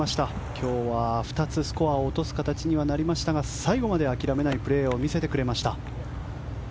今日は２つスコアを落とす形になりましたが最後まで諦めないプレーを見せてくれました。